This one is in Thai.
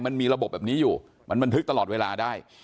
มันมีระบบแบบนี้อยู่มันบันทึกตลอดเวลาได้